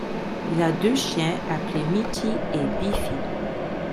Il a deux chiens appelé Meaty et Beefy.